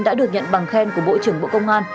đã được nhận bằng khen của bộ trưởng bộ công an